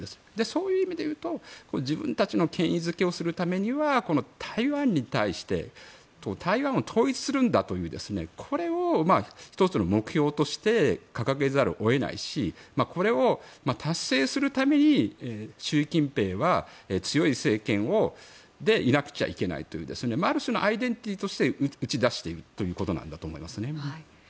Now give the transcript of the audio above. そういう意味で言うと自分たちの権威付けをするためには台湾に対して台湾を統一するんだというこれを１つの目標として掲げざるを得ないしこれを達成するために習近平は強い政権でいなくてはいけないというある種のアイデンティティーとして打ち出しているんだと思いますね。